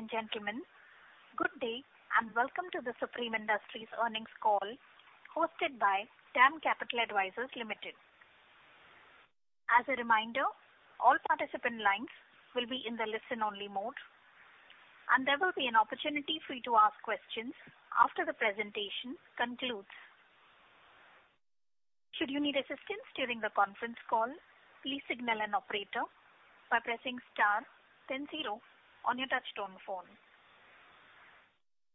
Ladies and gentlemen, good day, and welcome to the Supreme Industries earnings call hosted by DAM Capital Advisors Limited. As a reminder, all participant lines will be in the listen-only mode, and there will be an opportunity for you to ask questions after the presentation concludes. Should you need assistance during the conference call, please signal an operator by pressing star then zero on your touch-tone phone.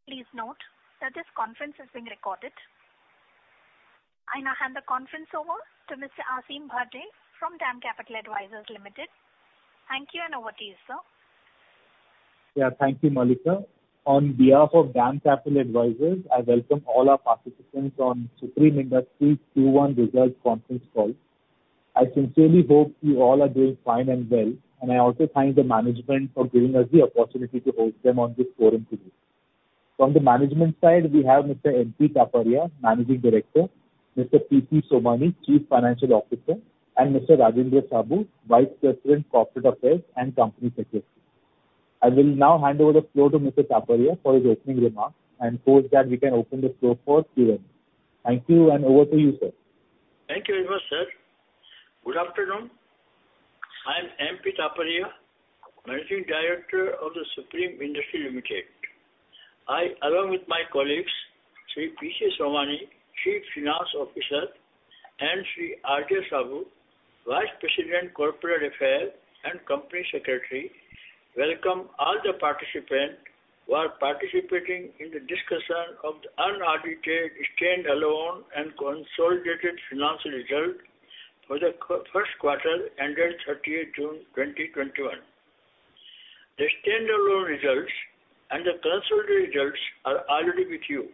Please note that this conference is being recorded. I now hand the conference over to Mr. Aasim Bharde from DAM Capital Advisors Limited. Thank you, and over to you, sir. Yeah. Thank you, Mallika. On behalf of DAM Capital Advisors, I welcome all our participants on Supreme Industries Q1 results conference call. I sincerely hope you all are doing fine and well, and I also thank the management for giving us the opportunity to host them on this forum today. From the management side, we have Mr. M.P. Taparia, Managing Director, Mr. P.C. Somani, Chief Financial Officer, and Mr. Rajendra Saboo, Vice President, Corporate Affairs and Company Secretary. I will now hand over the floor to Mr. Taparia for his opening remarks and post that we can open the floor for Q&A. Thank you, and over to you, sir. Thank you very much, sir. Good afternoon. I'm M.P. Taparia, Managing Director of The Supreme Industries Limited. I, along with my colleagues, Sri P.C. Somani, Chief Financial Officer, and Sri R.J. Saboo, Vice President, Corporate Affairs and Company Secretary, welcome all the participants who are participating in the discussion of the unaudited stand-alone and consolidated financial result for the first quarter ended 30th June 2021. The stand-alone results and the consolidated results are already with you.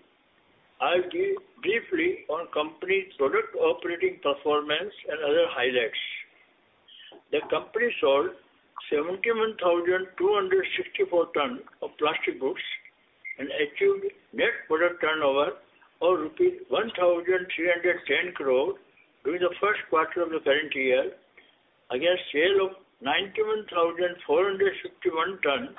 I'll give briefly on company product operating performance and other highlights. The company sold 71,264 ton of plastic goods and achieved net product turnover of rupees 1,310 crore during the first quarter of the current year against sale of 91,451 ton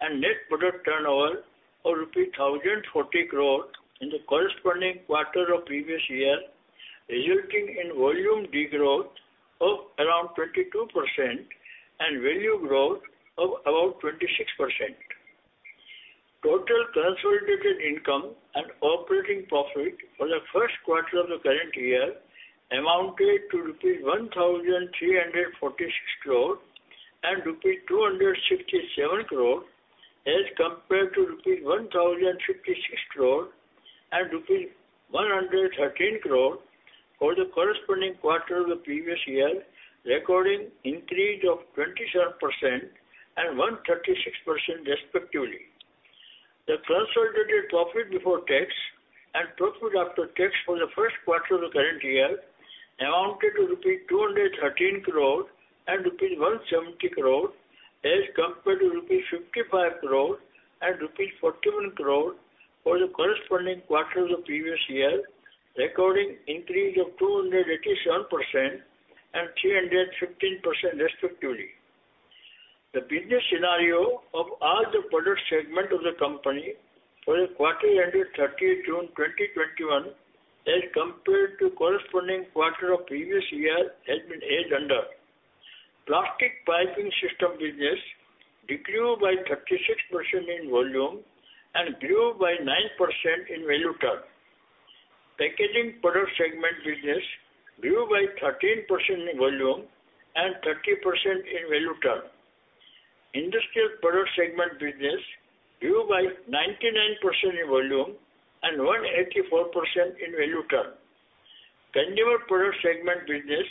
and net product turnover of rupee 1,040 crore in the corresponding quarter of previous year, resulting in volume degrowth of around 22% and value growth of about 26%. Total consolidated income and operating profit for the first quarter of the current year amounted to rupees 1,346 crore and rupees 267 crore as compared to rupees 1,056 crore and rupees 113 crore for the corresponding quarter of the previous year, recording increase of 27% and 136% respectively. The consolidated profit before tax and profit after tax for the first quarter of the current year amounted to rupees 213 crore and rupees 170 crore as compared to rupees 55 crore and rupees 41 crore for the corresponding quarter of the previous year, recording increase of 287% and 315% respectively. The business scenario of all the product segment of the company for the quarter ended 30th June 2021 as compared to corresponding quarter of previous year has been as under. Plastic Piping System business decreased by 36% in volume and grew by 9% in value term. Packaging Products segment business grew by 13% in volume and 30% in value term. Industrial Products segment business grew by 99% in volume and 184% in value term. Consumer Products segment business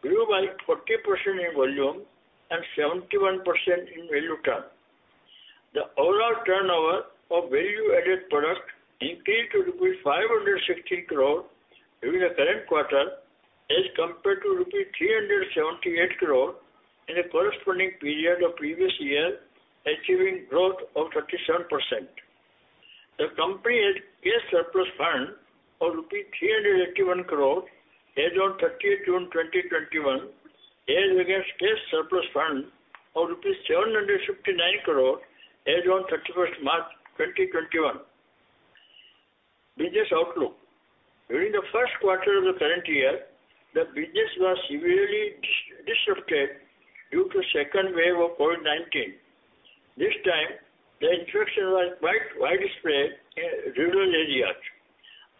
grew by 40% in volume and 71% in value term. The overall turnover of value-added product increased to rupees 560 crore during the current quarter as compared to rupees 378 crore in the corresponding period of previous year, achieving growth of 37%. The company had cash surplus fund of rupee 381 crore as on 30th June 2021 as against cash surplus fund of 759 crore rupees as on 31st March 2021. Business outlook. During the 1st quarter of the current year, the business was severely disrupted due to second wave of COVID-19. This time, the infection was quite widespread in rural areas.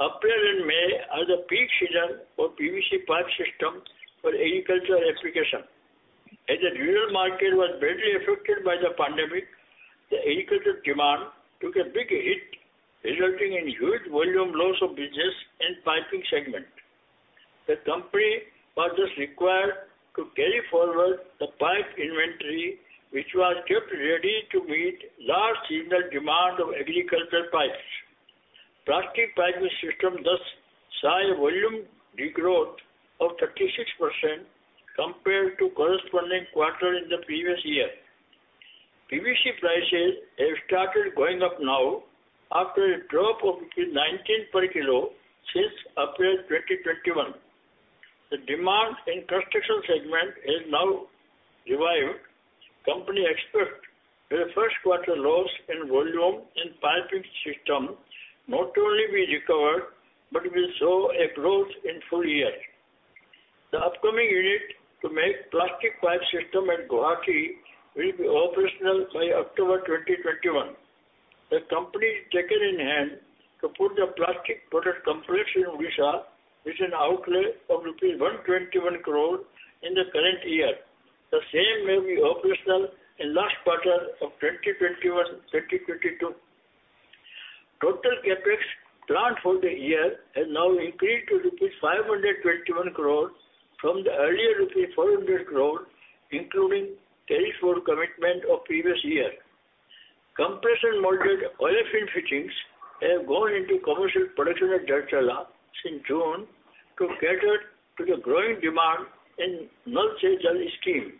April and May are the peak season for PVC pipe system for agricultural application. As the rural market was badly affected by the pandemic, the agricultural demand took a big hit, resulting in huge volume loss of business in piping segment. The company was thus required to carry forward the pipe inventory, which was kept ready to meet large seasonal demand of agricultural pipes. Plastic Piping System thus saw a volume degrowth of 36% compared to corresponding quarter in the previous year. PVC prices have started going up now after a drop of 19 per kilo since April 2021. The demand in construction segment is now revived. Company expects the first quarter loss in volume in piping system not only be recovered, but will show a growth in full year. The upcoming unit to make plastic pipe system at Guwahati will be operational by October 2021. The company taken in hand to put a plastic product complex in Odisha, with an outlay of rupees 121 crore in the current year. The same may be operational in last quarter of 2021-2022. Total CapEx planned for the year has now increased to rupees 521 crore from the earlier rupees 400 crore, including carry forward commitment of previous year. Compression molded polyolefin fittings have gone into commercial production at Daryala since June to cater to the growing demand in Nal Se Jal scheme.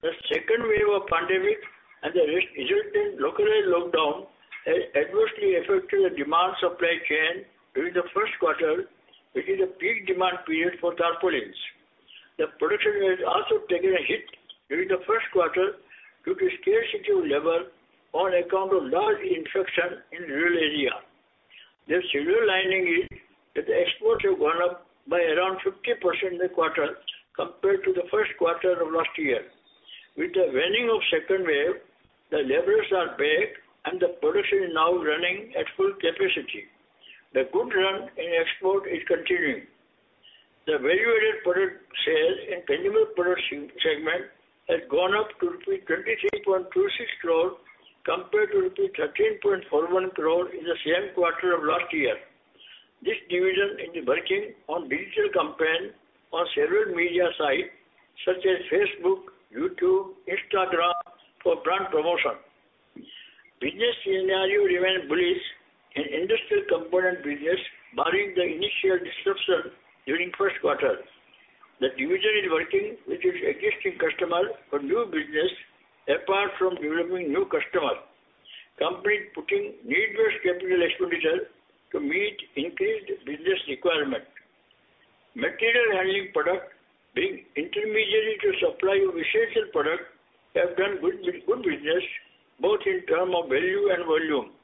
The second wave of pandemic and the resulting localized lockdown has adversely affected the demand supply chain during the first quarter, which is a peak demand period for tarpaulins. The production has also taken a hit during the first quarter due to scarcity of labor on account of large infection in rural area. The silver lining is that the exports have gone up by around 50% this quarter compared to the first quarter of last year. With the waning of second wave, the laborers are back and the production is now running at full capacity. The good run in export is continuing. The value-added product sales in Consumer Products segment has gone up to rupees 23.26 crore compared to rupees 13.41 crore in the same quarter of last year. This division is working on digital campaign on several media sites such as Facebook, YouTube, Instagram for brand promotion. Business scenario remains bullish in Industrial Products business barring the initial disruption during first quarter. The division is working with its existing customer for new business apart from developing new customer. Company putting needed CapEx to meet increased business requirement. Material handling product being intermediary to supply of essential product have done good business both in term of value and volume.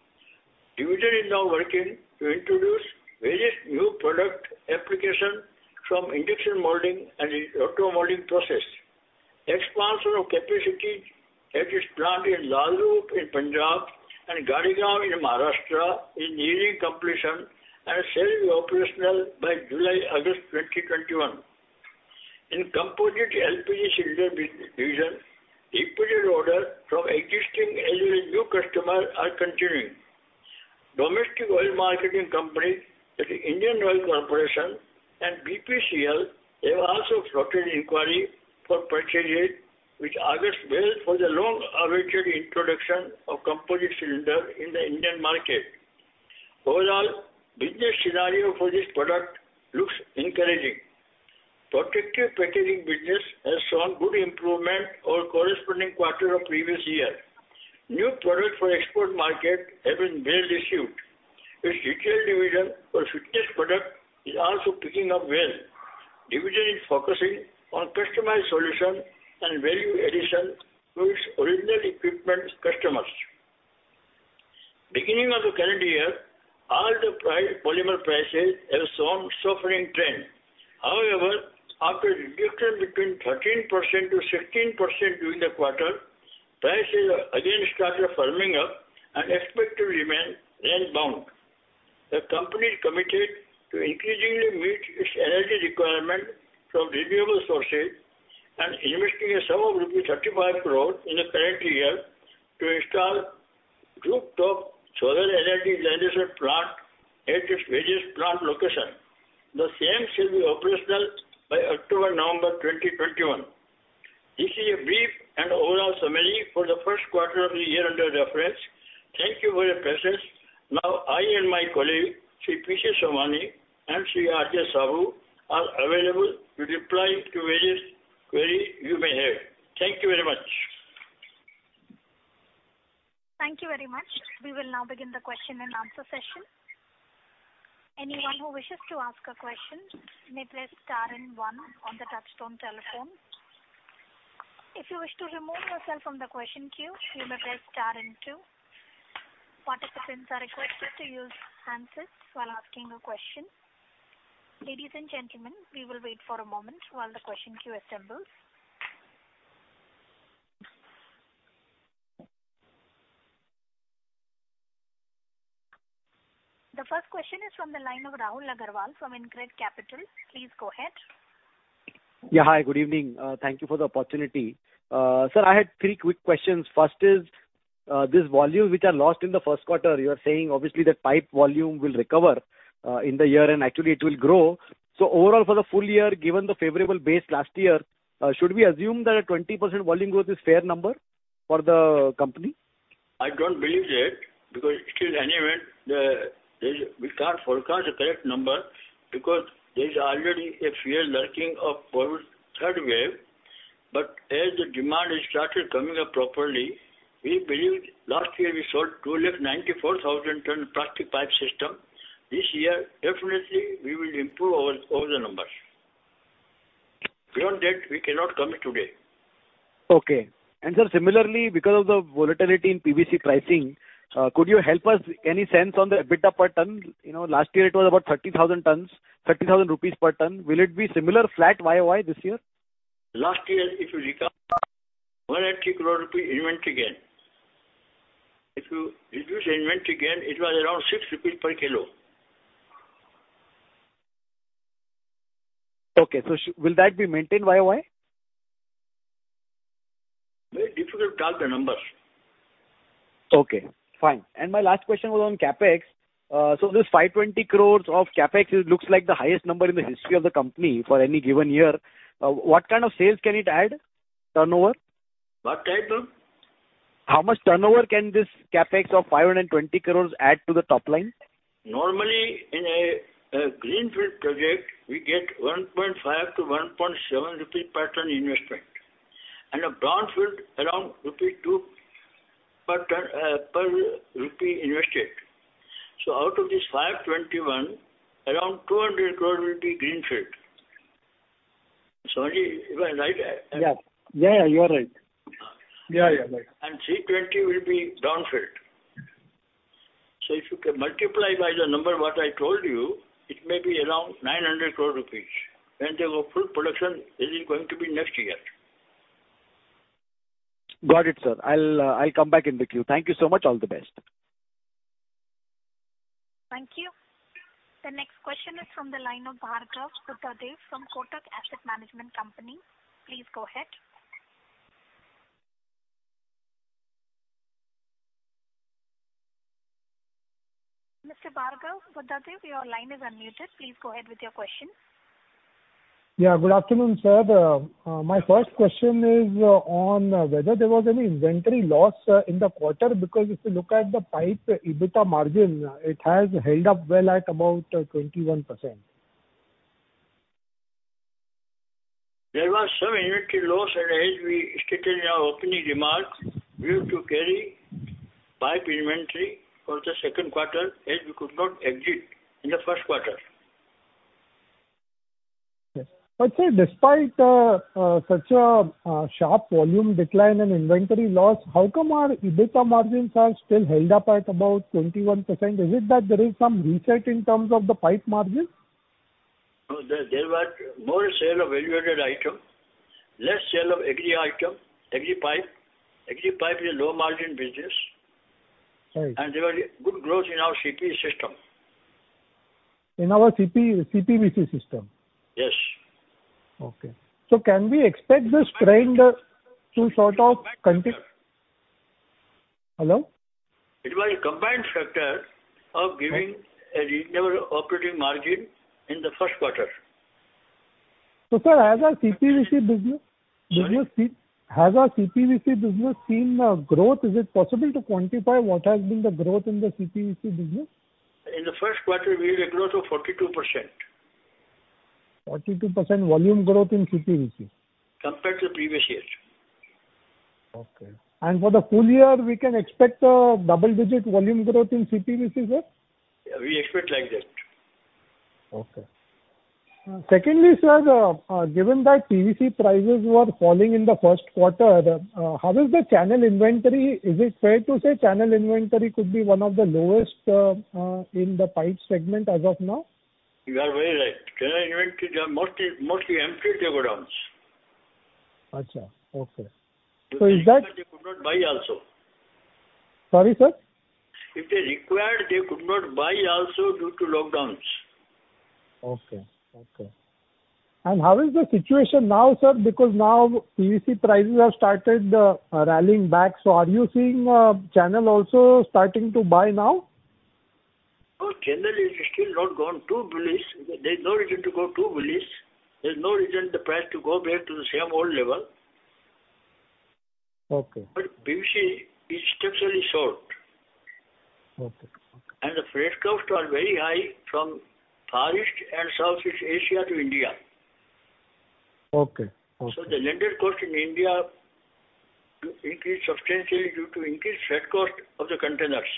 Division is now working to introduce various new product application from injection molding and rotomolding process. Expansion of capacity at its plant in Lalru in Punjab and Gadegaon in Maharashtra is nearing completion and shall be operational by July, August 2021. In composite LPG cylinder division, repeated order from existing as well as new customer are continuing. Domestic oil marketing company that is Indian Oil Corporation and BPCL have also floated inquiry for purchases which augurs well for the long-awaited introduction of composite cylinder in the Indian market. Overall, business scenario for this product looks encouraging. Protective packaging business has shown good improvement over corresponding quarter of previous year. New product for export market have been well received. Its retail division for fitness product is also picking up well. Division is focusing on customized solution and value addition to its original equipment customers. Beginning of the current year, all the polymer prices have shown softening trend. However, after reduction between 13%-15% during the quarter, prices have again started firming up and expect to remain range bound. The company is committed to increasingly meet its energy requirement from renewable sources and investing a sum of rupees 35 crore in the current year to install rooftop solar energy generation plant at its various plant location. The same shall be operational by October, November 2021. This is a brief and overall summary for the first quarter of the year under reference. Thank you for your presence. Now, I and my colleague, Shri P.C. Somani and Shri R.J. Saboo are available to reply to various query you may have. Thank you very much. Thank you very much. The first question is from the line of Rahul Agarwal from InCred Capital. Please go ahead. Yeah. Hi, good evening. Thank you for the opportunity. Sir, I had three quick questions. First is, this volume which are lost in the 1st quarter, you are saying obviously the pipe volume will recover in the year and actually it will grow. Overall for the full year, given the favorable base last year, should we assume that a 20% volume growth is fair number for the company? I don't believe that because still anyway, we can't forecast a correct number because there's already a fear lurking of COVID third wave. As the demand has started coming up properly, we believe last year we sold 294,000 pipe system. This year, definitely we will improve our numbers. Beyond that, we cannot commit today. Okay. Sir, similarly, because of the volatility in PVC pricing, could you help us, any sense on the EBITDA per ton? Last year it was about 30,000 per ton. Will it be similar flat YOY this year? Last year, if you recall, 180 crore rupee inventory gain. If you reduce inventory gain, it was around 6 rupees per kilo. Okay. Will that be maintained YOY? Very difficult to count the numbers. Okay, fine. My last question was on CapEx. This 520 crore of CapEx, it looks like the highest number in the history of the company for any given year. What kind of sales can it add? Turnover? What type, sir? How much turnover can this CapEx of 520 crore add to the top line? Normally, in a greenfield project, we get 1.5 to 1.7 rupee per ton investment, and a brownfield around rupee 2 per rupee invested. Out of this 521, around 200 crore will be greenfield. Sanjay, am I right? Yes. You are right. 320 will be brownfield. If you can multiply by the number what I told you, it may be around 900 crore rupees, and their full production is going to be next year. Got it, sir. I'll come back in the queue. Thank you so much. All the best. Thank you. The next question is from the line of Bhargav Buddhadev from Kotak Asset Management Company. Please go ahead. Mr. Bhargav Buddhadev, your line is unmuted. Please go ahead with your question. Yeah, good afternoon, sir. My first question is on whether there was any inventory loss in the quarter, because if you look at the pipe EBITDA margin, it has held up well at about 21%. There was some inventory loss, and as we stated in our opening remarks, we used to carry pipe inventory for the second quarter, as we could not exit in the first quarter. Yes. Sir, despite such a sharp volume decline in inventory loss, how come our EBITDA margins are still held up at about 21%? Is it that there is some reset in terms of the pipe margin? No, there was more sale of value-added item, less sale of agri item, agri pipe. Agri pipe is a low-margin business. Right. There was good growth in our CPVC system. In our CPVC system? Yes. Okay. Can we expect this trend to sort of conti? Hello? It was a combined factor of giving a reasonable operating margin in the first quarter. Sir, has our CPVC business- Sorry? Has our CPVC business seen growth? Is it possible to quantify what has been the growth in the CPVC business? In the first quarter, we had a growth of 42%. 42% volume growth in CPVC? Compared to the previous year. Okay. For the full year, we can expect a double-digit volume growth in CPVC, sir? We expect like that. Okay. Secondly, sir, given that PVC prices were falling in the first quarter, how is the channel inventory? Is it fair to say channel inventory could be one of the lowest in the pipe segment as of now? You are very right. Channel inventory, they are mostly empty warehouses. Okay. They could not buy also. Sorry, sir? If they required, they could not buy also due to lockdowns. Okay. How is the situation now, sir? Now PVC prices have started rallying back. Are you seeing channel also starting to buy now? No, channel is still not gone too bullish. There's no reason to go too bullish. There's no reason the price to go back to the same old level. Okay. PVC is structurally short. Okay. The freight costs are very high from Far East and Southeast Asia to India. Okay. The landed cost in India increased substantially due to increased freight cost of the containers.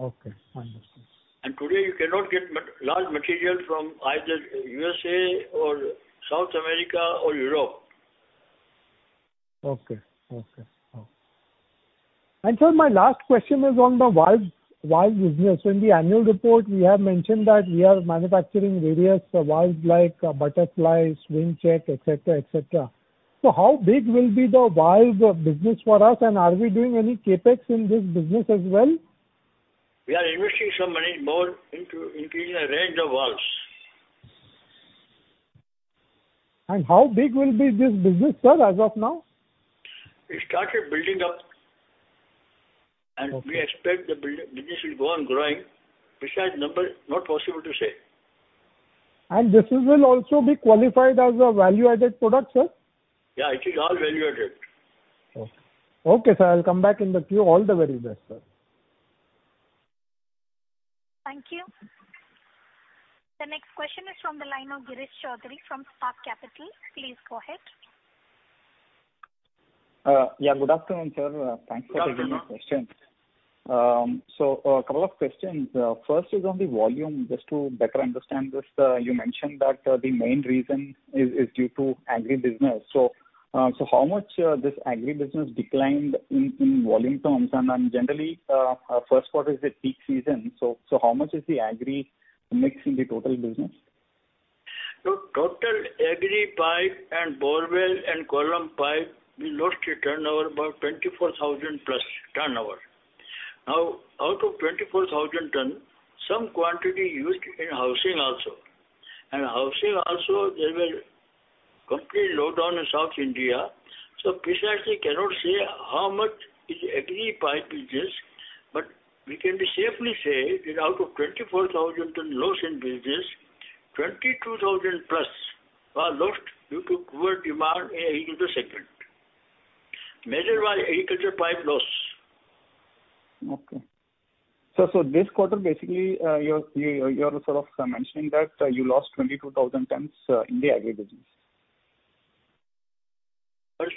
Okay. I understand. Today you cannot get large material from either U.S.A. or South America or Europe. Okay. Sir, my last question is on the valves business. In the annual report, we have mentioned that we are manufacturing various valves like butterflies, swing check, et cetera. How big will be the valves business for us, and are we doing any CapEx in this business as well? We are investing some money more into increasing the range of valves. How big will be this business, sir, as of now? We started building up- Okay We expect the business will go on growing. Besides number, not possible to say. This will also be qualified as a value-added product, sir? I think all value-added. Okay, sir. I'll come back in the queue. All the very best, sir. Thank you. The next question is from the line of Girish Choudhary from Spark Capital. Please go ahead. Good afternoon, sir. Good afternoon. Thanks for taking my questions. A couple of questions. First is on the volume. Just to better understand this, you mentioned that the main reason is due to agri-business. How much this agri-business declined in volume terms? Generally, first quarter is the peak season, how much is the agri mix in the total business? Total agri pipe and borewell and column pipe, we lost a turnover about 24,000 plus turnover. Out of 24,000 tons, some quantity used in housing also. Housing also, there was complete lockdown in South India. Precisely cannot say how much is agri pipe business, but we can safely say that out of 24,000 tons loss in business, 22,000 plus were lost due to poor demand in agriculture segment. Major was agriculture pipe loss. Okay. This quarter, basically, you're sort of mentioning that you lost 22,000 tons in the agri business.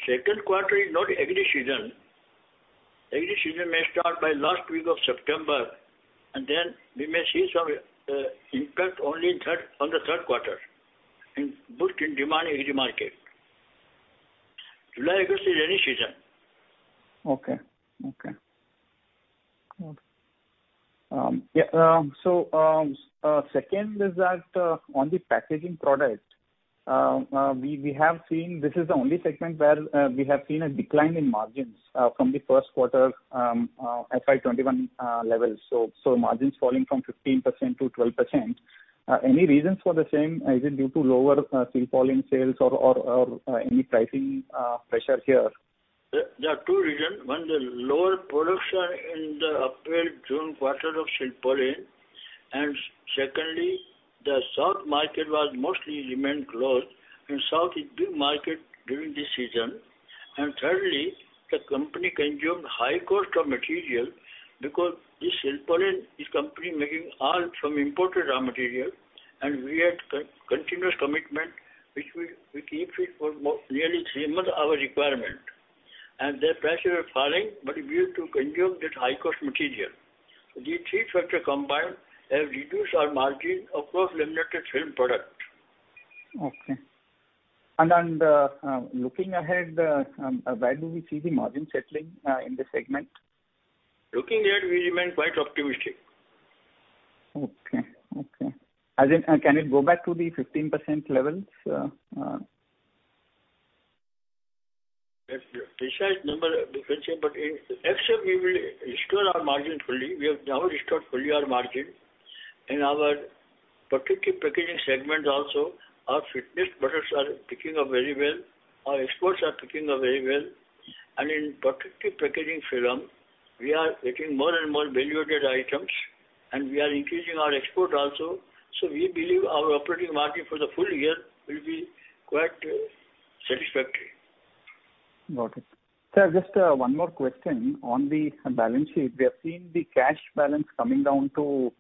Second quarter is not agri season. Agri season may start by last week of September. Then we may see some impact only on the third quarter, in boost in demand agri market. July, August is rainy season. Okay. Second is that, on the Packaging Products, this is the only segment where we have seen a decline in margins from the first quarter FY 2021 levels. Margins falling from 15% to 12%. Any reasons for the same? Is it due to lower Silpaulin sales or any pricing pressure here? There are two reasons. One, the lower production in the April, June quarter of Silpaulin, Secondly, the South market was mostly remained closed, and South is big market during this season. Thirdly, the company consumed high cost of material because this Silpaulin is company making all from imported raw material, and we had continuous commitment, which we keep it for nearly three month our requirement. Their prices were falling, but we have to consume that high-cost material. These 3 factor combined have reduced our margin, of course, limited film product. Okay. Looking ahead, where do we see the margin settling in this segment? Looking ahead, we remain quite optimistic. Okay. Can it go back to the 15% levels? Yes. Precise number I don't say, but next year we will restore our margin fully. We have now restored fully our margin. In our protective packaging segment also, our fitness products are picking up very well. Our exports are picking up very well. In protective packaging film, we are getting more and more value-added items, and we are increasing our export also. We believe our operating margin for the full year will be quite satisfactory. Got it. Sir, just one more question. On the balance sheet, we have seen the cash balance coming down to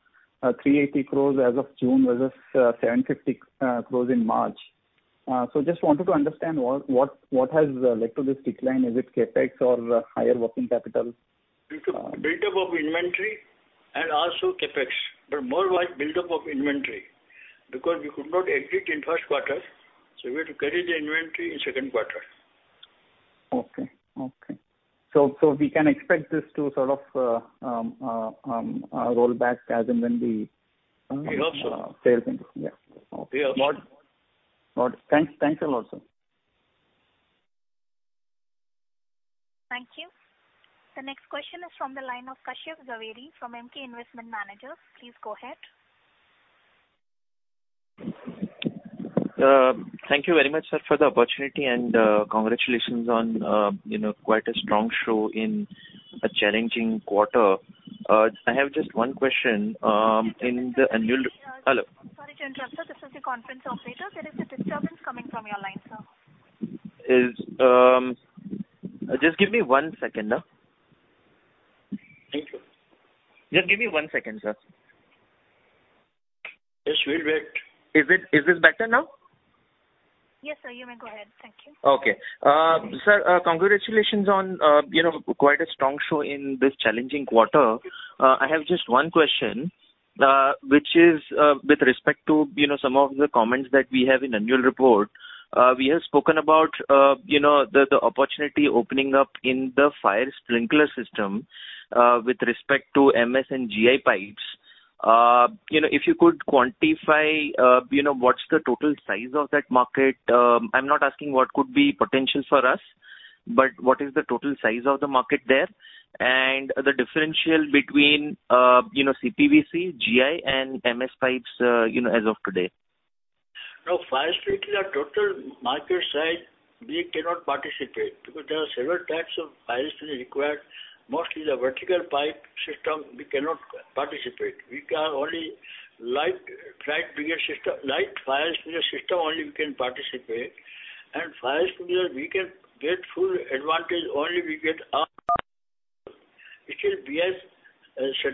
380 crore as of June versus 750 crore in March. Just wanted to understand what has led to this decline. Is it CapEx or higher working capital? Buildup of inventory and also CapEx, but more was buildup of inventory because we could not exit in first quarter, so we had to carry the inventory in second quarter. Okay. We can expect this to sort of roll back as and when the. We hope so. sales improve. Yeah. Okay. We hope. Got it. Thanks a lot, sir. Thank you. The next question is from the line of Kashyap Javeri from Emkay Investment Managers. Please go ahead. Thank you very much, sir, for the opportunity, and congratulations on quite a strong show in a challenging quarter. I have just one question. Sorry to interrupt, sir. This is your conference operator. There is a disturbance coming from your line, sir. Just give me one second. Thank you. Just give me one second, sir. Yes, we'll wait. Is this better now? Yes, sir. You may go ahead. Thank you. Okay. Sir, congratulations on quite a strong show in this challenging quarter. I have just one question, which is with respect to some of the comments that we have in annual report. We have spoken about the opportunity opening up in the fire sprinkler system with respect to MS and GI pipes. If you could quantify what's the total size of that market. I'm not asking what could be potential for us, but what is the total size of the market there, and the differential between CPVC, GI, and MS pipes as of today. Fire sprinkler, total market size, we cannot participate because there are several types of fire sprinkler required. Mostly the vertical pipe system, we cannot participate. Light fire sprinkler system only we can participate. Fire sprinkler, we can get full advantage only until BIS, this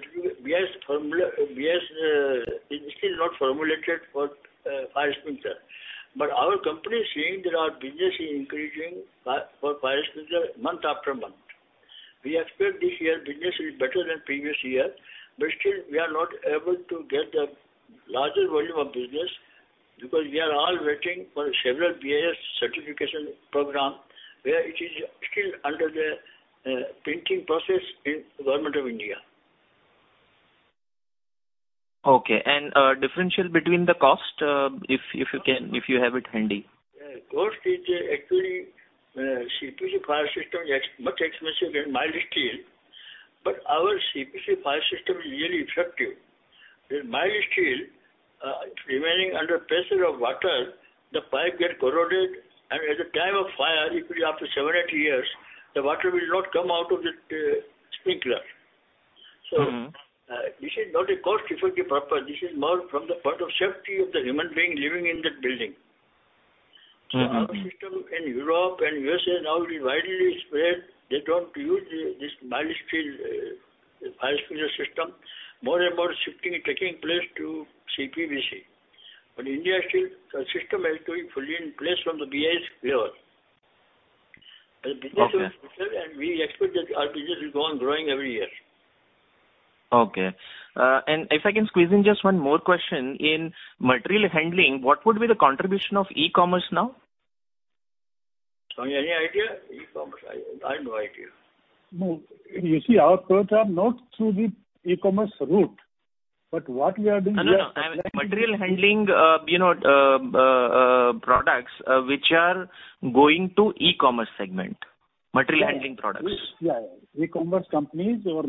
is not formulated for fire sprinkler. Our company is seeing that our business is increasing for fire sprinkler month after month. We expect this year business will be better than previous year, but still we are not able to get the larger volume of business because we are all waiting for several BIS certification program, where it is still under the printing process in Government of India. Okay. Differential between the cost, if you have it handy. Cost is actually, CPVC fire system is much expensive than mild steel. Our CPVC fire system is really effective. With mild steel, remaining under pressure of water, the pipe get corroded and at the time of fire, it will be after seven to eight years, the water will not come out of the sprinkler. This is not a cost effective purpose. This is more from the point of safety of the human beings living in that building. Our system in Europe and U.S. is already widely spread. They don't use this mild steel fire sprinkler system. More and more shifting is taking place to CPVC. India still, the system has to be fully in place from the BIS level. Okay. The business will be better, and we expect that our business will go on growing every year. Okay. If I can squeeze in just one more question. In material handling, what would be the contribution of e-commerce now? Somani, any idea? E-commerce, I have no idea. No. You see, our products are not through the e-commerce route. What we are doing here- No. I mean material handling products which are going to e-commerce segment. Material handling products. Yes. E-commerce companies or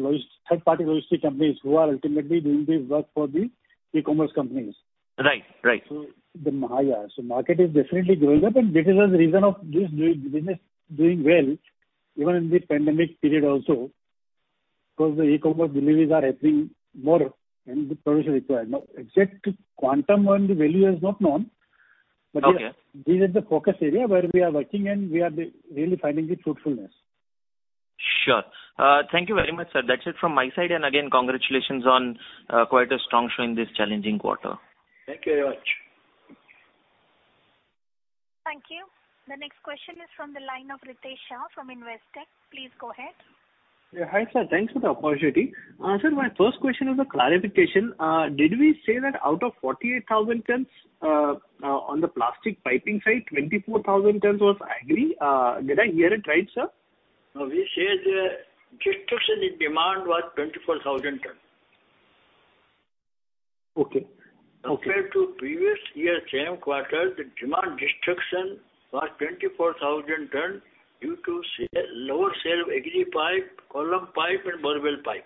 third party logistic companies who are ultimately doing this work for the e-commerce companies. Right. The market is definitely growing up, and this is the reason of this business doing well even in the pandemic period also, because the e-commerce deliveries are happening more, and the products are required. Exact quantum and the value is not known. Okay These are the focus area where we are working, and we are really finding it fruitfulness. Sure. Thank you very much, sir. That's it from my side. Again, congratulations on quite a strong show in this challenging quarter. Thank you very much. Thank you. The next question is from the line of Ritesh Shah from Investec. Please go ahead. Yeah. Hi, sir. Thanks for the opportunity. Sir, my first question is a clarification. Did we say that out of 48,000 tons on the plastic piping side, 24,000 tons was agri? Did I hear it right, sir? No, we said destruction in demand was 24,000 ton. Okay. Compared to previous year same quarter, the demand destruction was 24,000 tons due to lower sale of agri pipe, column pipe, and borewell pipe.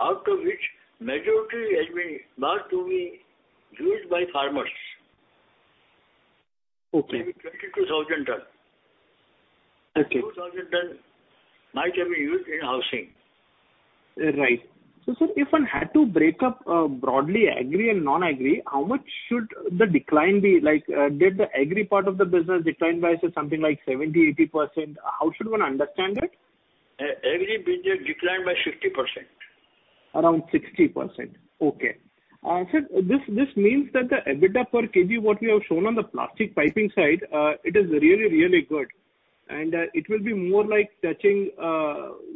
Out of which, majority has been marked to be used by farmers. Okay. Maybe 22,000 tons. Okay. 2,000 ton might have been used in housing. Right. Sir, if one had to break up broadly agri and non-agri, how much should the decline be? Did the agri part of the business decline by, say, something like 70%, 80%? How should one understand it? Agri business declined by 60%. Around 60%. Okay. Sir, this means that the EBITDA per kg, what you have shown on the plastic piping side, it is really, really good. It will be more like touching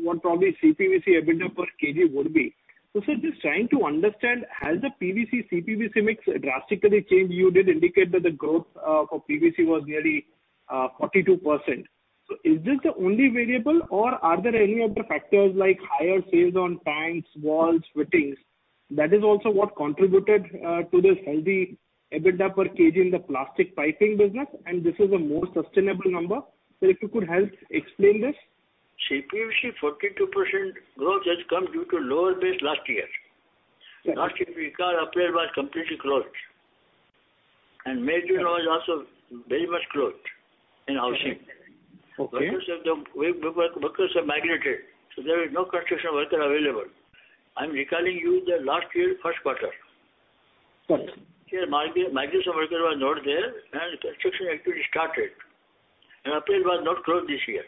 what probably CPVC EBITDA per kg would be. Sir, just trying to understand, has the PVC, CPVC mix drastically changed? You did indicate that the growth for PVC was nearly 42%. Is this the only variable, or are there any other factors like higher sales on tanks, walls, fittings, that is also what contributed to this healthy EBITDA per kg in the plastic piping business, and this is a more sustainable number? Sir, if you could help explain this. CPVC 42% growth has come due to lower base last year. Okay. Last year, April was completely closed. Majority was also very much closed in housing. Okay. Workers have migrated, there is no construction worker available. I am recalling you the last year first quarter. Correct. Migrants and worker was not there, construction activity started. April was not closed this year.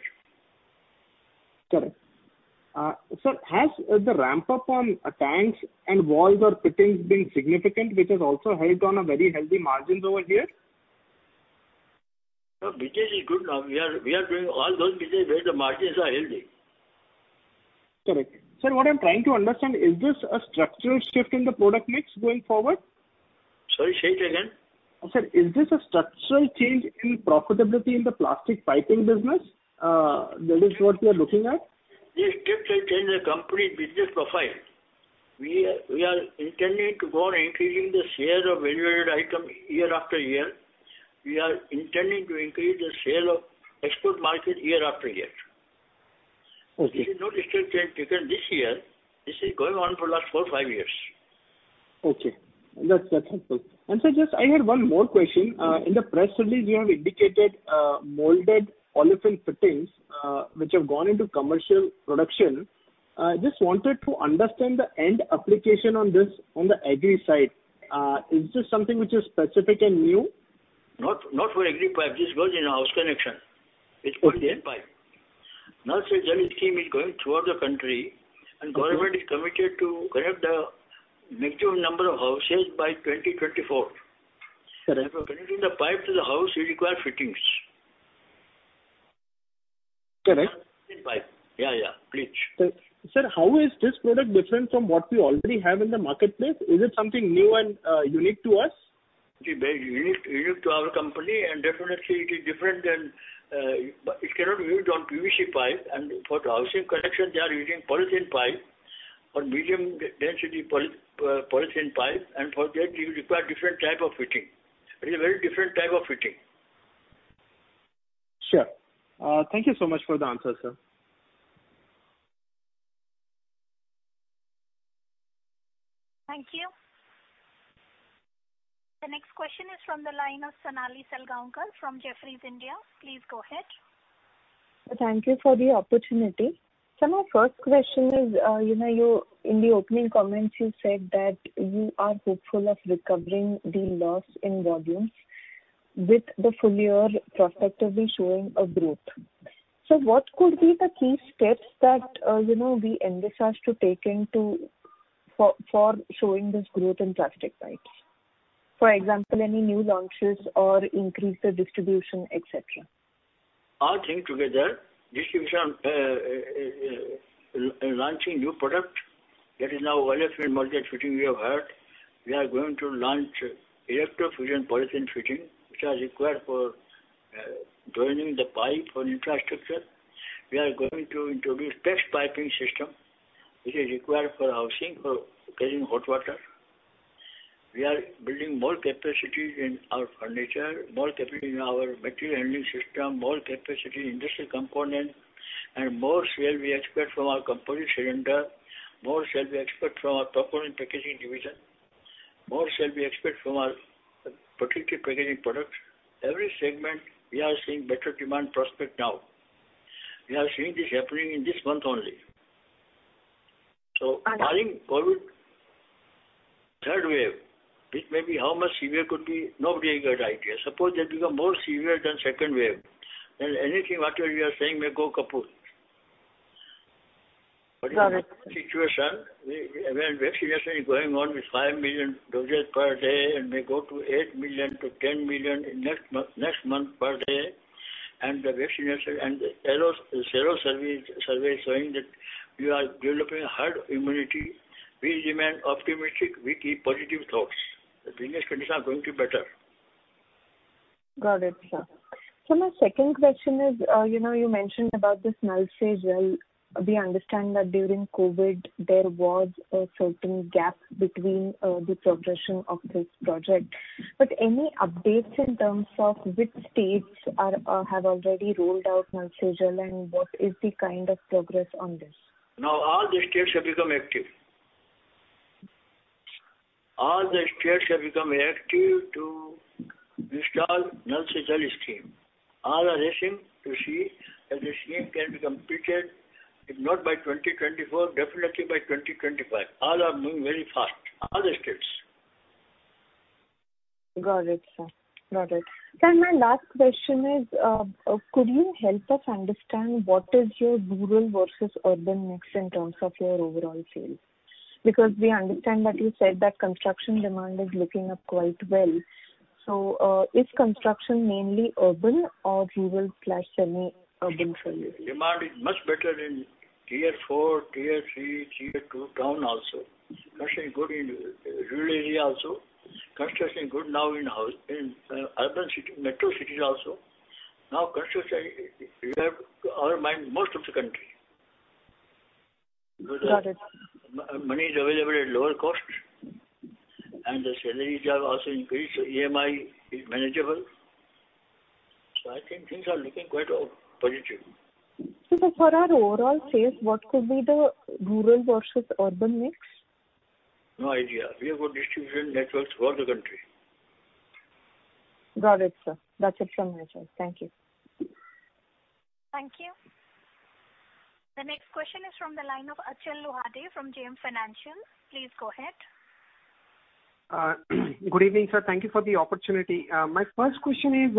Correct. Sir, has the ramp-up on tanks and walls or fittings been significant, which has also helped on a very healthy margins over here? No, business is good now. We are doing all those business where the margins are healthy. Correct. Sir, what I'm trying to understand, is this a structural shift in the product mix going forward? Sorry, say it again. Sir, is this a structural change in profitability in the plastic piping business? That is what we are looking at. This shift has changed the company business profile. We are intending to go on increasing the share of value added item year after year. We are intending to increase the sale of export market year after year. Okay. This is not a structural change taken this year. This is going on for last four, five years. Okay. That's helpful. Sir, just I had one more question. In the press release, you have indicated molded olefin fittings, which have gone into commercial production. Just wanted to understand the end application on this on the agri side. Is this something which is specific and new? Not for Agri pipe. This goes in house connection. It's only the end pipe. Nal Se Jal scheme is going throughout the country. Government is committed to connect the maximum number of houses by 2024. Correct. Connecting the pipe to the house, you require fittings. Correct. End pipe. Yeah. Sir, how is this product different from what we already have in the marketplace? Is it something new and unique to us? It is very unique to our company. It cannot be used on PVC pipe. For the housing connection, they are using polythene pipe or medium-density polyethylene pipe. For that you require different type of fitting. It is a very different type of fitting. Sure. Thank you so much for the answer, sir. Thank you. The next question is from the line of Sonali Salgaonkar from Jefferies India. Please go ahead. Thank you for the opportunity. Sir, my first question is, in the opening comments you said that you are hopeful of recovering the loss in volumes with the full year prospectively showing a growth. What could be the key steps that we envisage to take for showing this growth in plastic pipes? For example, any new launches or increased distribution, et cetera. All things together, distribution, launching new product. That is now electrofusion and multi-thread fitting we have heard. We are going to launch electrofusion polythene fitting, which are required for joining the pipe for infrastructure. We are going to introduce PEX piping system, which is required for housing, for carrying hot water. We are building more capacity in our furniture, more capacity in our material handling system, more capacity in industrial component, and more sale we expect from our composite cylinder, more sale we expect from our component packaging division, more sale we expect from our protective packaging products. Every segment, we are seeing better demand prospect now. We are seeing this happening in this month only. Understood. Barring COVID third wave, which maybe how much severe could be, nobody has got idea. Suppose they become more severe than second wave, anything whatever we are saying may go kaput. Got it. In the current situation, when vaccination is going on with 5 million doses per day and may go to 8 million to 10 million in next month per day, and the vaccination and the sero survey showing that we are developing herd immunity, we remain optimistic. We keep positive thoughts. The business conditions are going to better. Got it, sir. Sir, my second question is, you mentioned about this Nal Se Jal. We understand that during COVID-19, there was a certain gap between the progression of this project. Any updates in terms of which states have already rolled out Nal Se Jal, and what is the kind of progress on this? Now all the states have become active. All the states have become active to install Nal Se Jal scheme. All are racing to see that the scheme can be completed, if not by 2024, definitely by 2025. All are moving very fast, all the states. Got it, sir. Sir, my last question is, could you help us understand what is your rural versus urban mix in terms of your overall sales? We understand that you said that construction demand is looking up quite well. Is construction mainly urban or rural/semi-urban for you? Demand is much better in tier four, tier three, tier two town also. Construction is good in rural area also. Construction is good now in urban city, metro cities also. Construction is revived in most of the country. Got it. Money is available at lower cost, and the salaries have also increased, so EMI is manageable. I think things are looking quite positive. Sir, for our overall sales, what could be the rural versus urban mix? No idea. We have got distribution networks throughout the country. Got it, sir. That's it from my side. Thank you. Thank you. The next question is from the line of Achal Lohade from JM Financial. Please go ahead. Good evening, sir. Thank you for the opportunity. My first question is,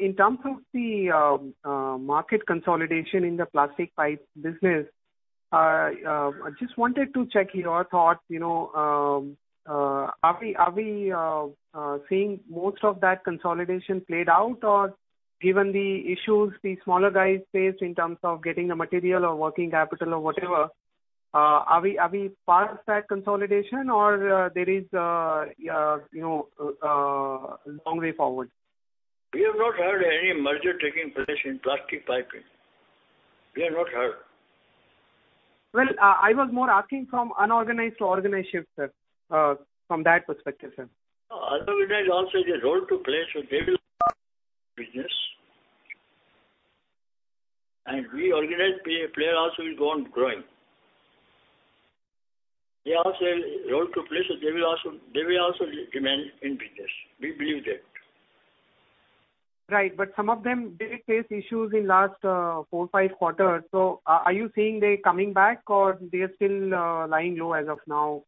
in terms of the market consolidation in the plastic pipe business, I just wanted to check your thought. Are we seeing most of that consolidation played out, or given the issues the smaller guys face in terms of getting the material or working capital or whatever, are we past that consolidation or there is a long way forward? We have not heard any merger taking place in Plastic Piping. We have not heard. Well, I was more asking from unorganized to organized shift, sir. From that perspective, sir. Unorganized also has a role to play, so they will business. We organized player also will go on growing. They also have role to play, so they will also remain in business. We believe that. Right, some of them did face issues in last four, five quarters. Are you saying they're coming back or they are still lying low as of now?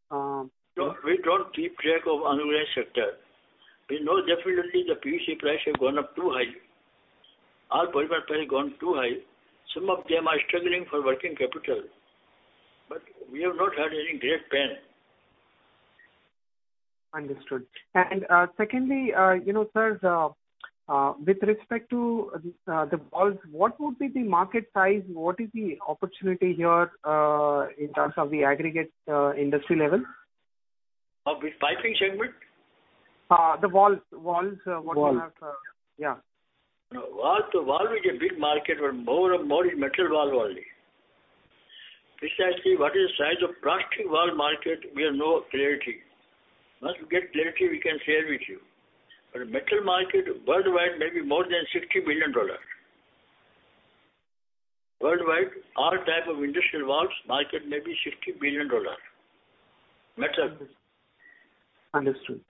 We don't keep track of unorganized sector. We know definitely the PVC price have gone up too high. Our polymer price gone too high. Some of them are struggling for working capital, we have not had any great pain. Secondly, sir, with respect to the valves, what would be the market size? What is the opportunity here, in terms of the aggregate industry level? Of the piping segment? The valves. Valves. Yeah. Valves is a big market, but more of metal valve only. Precisely what is the size of plastic valve market, we have no clarity. Once we get clarity, we can share with you. Metal market worldwide may be more than $60 billion. Worldwide, all type of industrial valves market may be $60 billion. Metal. Understood.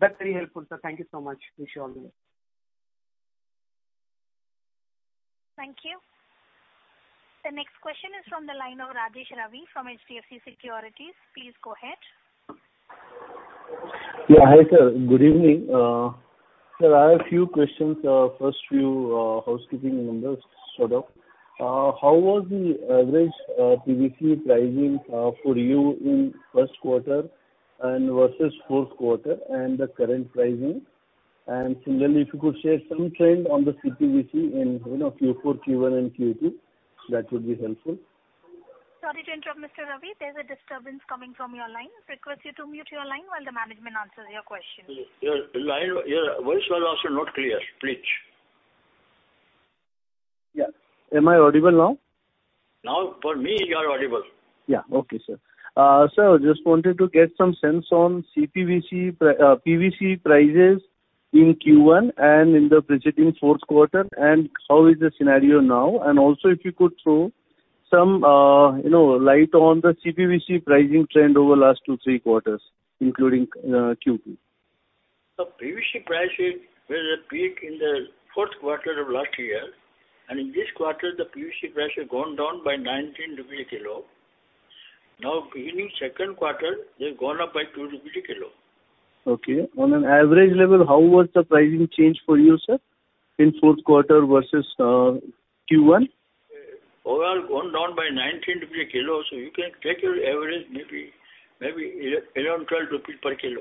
That's very helpful, sir. Thank you so much. Wish you all the best. Thank you. The next question is from the line of Rajesh Ravi from HDFC Securities. Please go ahead. Yeah, hi sir. Good evening. Sir, I have a few questions. First, few housekeeping numbers sort of. How was the average PVC pricing for you in first quarter and versus fourth quarter and the current pricing? Similarly, if you could share some trend on the CPVC in Q4, Q1, and Q2, that would be helpful. Sorry to interrupt, Mr. Ravi. There's a disturbance coming from your line. Request you to mute your line while the management answers your question. Your voice was also not clear. Please. Yeah. Am I audible now? For me, you are audible. Yeah. Okay, sir. Sir, just wanted to get some sense on PVC prices in Q1 and in the preceding fourth quarter, and how is the scenario now? Also if you could throw some light on the CPVC pricing trend over last two, three quarters, including Q2. The PVC prices were at peak in the fourth quarter of last year. In this quarter, the PVC price has gone down by 19 rupees a kilo. Beginning second quarter, they've gone up by 2 rupees a kilo. Okay. On an average level, how was the pricing change for you, sir, in fourth quarter versus Q1? Overall, gone down by 19 a kilo, so you can take your average maybe 11, 12 rupees per kilo.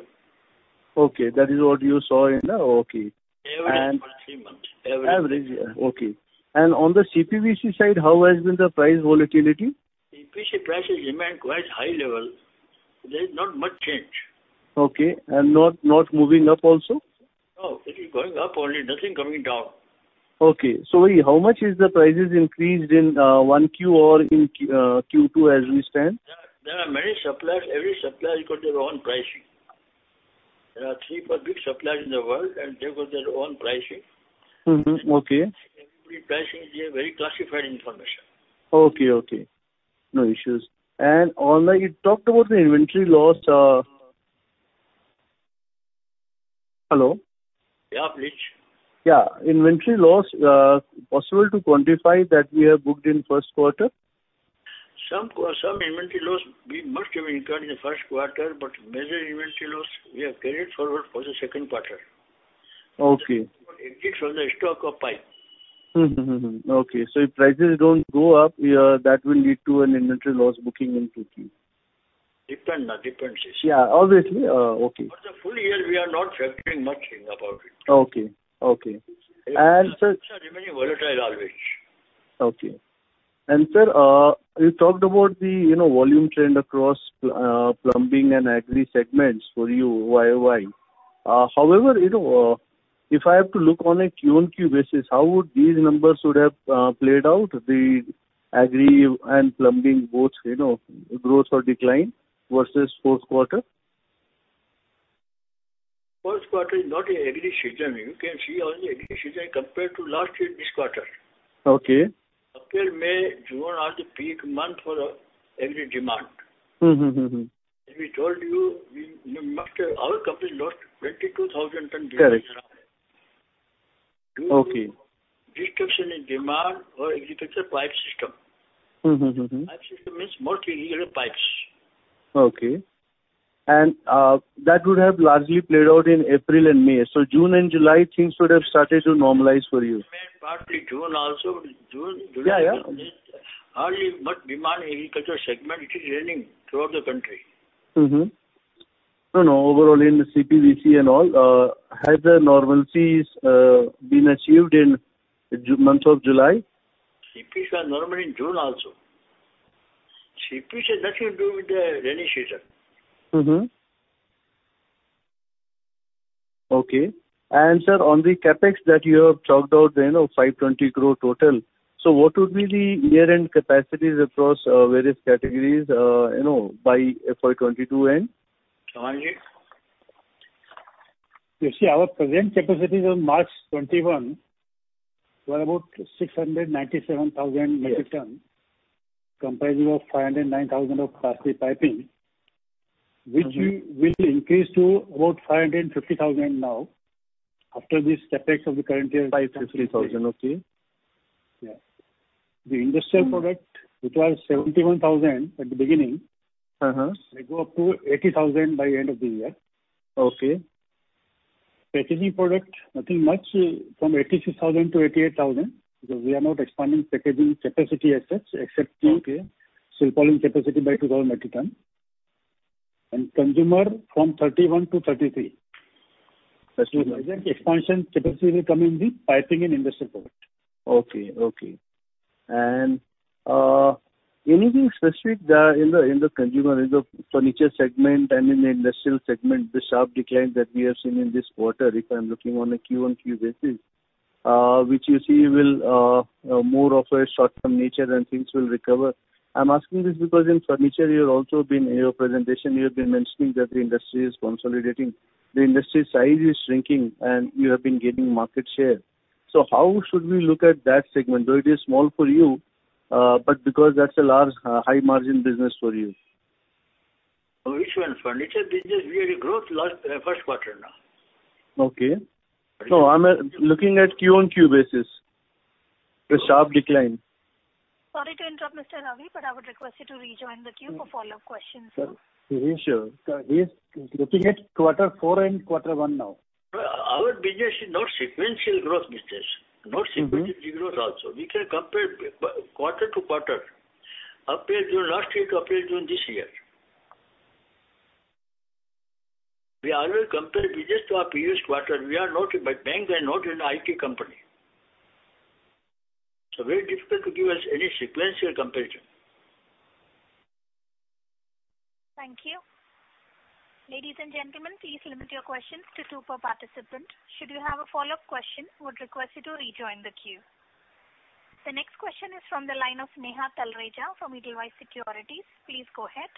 Okay. That is what you saw. Average for three months. Average. Okay. On the CPVC side, how has been the price volatility? CPVC prices remain quite high level. There is not much change. Okay. Not moving up also? No, it is going up only, nothing coming down. Okay. Wait, how much is the prices increased in 1Q or in Q2 as we stand? There are many suppliers. Every supplier has got their own pricing. There are three public suppliers in the world, and they've got their own pricing. Mm-hmm. Okay. Everybody pricing is a very classified information. Okay. No issues. You talked about the inventory loss. Hello? Yeah, please. Yeah. Inventory loss, possible to quantify that we have booked in first quarter? Some inventory loss we must have incurred in the first quarter. Major inventory loss we have carried forward for the second quarter. Okay. Exit from the stock of pipe. Okay. If prices don't go up, that will lead to an inventory loss booking in 2Q. Depend on the situation. Yeah. Obviously. Okay. For the full year, we are not factoring much about it. Okay. Inventory remains volatile always. Okay. Sir, you talked about the volume trend across plumbing and agri segments for you YOY. However, if I have to look on a Q on Q basis, how would these numbers would have played out, the agri and plumbing both growth or decline versus fourth quarter? First quarter is not an agri season. You can see on the agri season compared to last year this quarter. Okay. April, May, June are the peak month for agri demand. As we told you, our company lost 22,000 tons during the year. Correct. Okay. Reduction in demand for agriculture pipe system. Pipe system means multi-layer pipes. Okay. That would have largely played out in April and May. June and July, things would have started to normalize for you. Partly June also. Yeah. Hardly much demand agriculture segment, it is raining throughout the country. No. Overall in the CPVC and all, has the normalcies been achieved in month of July? CPVC are normal in June also. CPVC has nothing to do with the rainy season. Okay. Sir, on the CapEx that you have talked about, 520 crore total. What would be the year-end capacities across various categories by FY 2022 end? You see our present capacities on March 2021 were about 697,000 metric tons, comprising of 509,000 of Plastic Piping, which we will increase to about 550,000 now after this CapEx of the current year. 550,000. Okay. Yeah. The Industrial Products, which was 71,000 at the beginning. May go up to 80,000 by end of the year. Okay. Packaging Products, nothing much. From 86,000 to 88,000, because we are not expanding Packaging Products capacity as such, except Silpaulin capacity by 2,000 metric tons. Consumer Products, from 31 to 33. The expansion capacity will come in the Piping and Industrial Products. Okay. Anything specific in the consumer, in the furniture segment and in the industrial segment, the sharp decline that we have seen in this quarter, if I'm looking on a Q1 basis, which you see will more of a short-term nature than things will recover? I am asking this because in furniture, in your presentation, you have been mentioning that the industry is consolidating. The industry size is shrinking, and you have been gaining market share. How should we look at that segment? Though it is small for you, but because that's a large high margin business for you. Which one? Furniture business we had a growth last first quarter now. Okay. No, I'm looking at QoQ basis, the sharp decline. Sorry to interrupt, Mr. Ravi, but I would request you to rejoin the queue for follow-up questions, sir. Sure. He is looking at quarter four and quarter one now. Our business is not sequential growth business, not sequentially growth also. We can compare quarter to quarter, last year to April, June this year. We always compare business to our previous quarter. We are not a bank and not an IT company. Very difficult to give us any sequential comparison. Thank you. Ladies and gentlemen, please limit your questions to two per participant. Should you have a follow-up question, I would request you to rejoin the queue. The next question is from the line of Sneha Talreja from Edelweiss Securities. Please go ahead.